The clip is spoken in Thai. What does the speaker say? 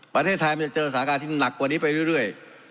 ประเทศไทยมันจะเจอสถานการณ์ที่หนักกว่านี้ไปเรื่อย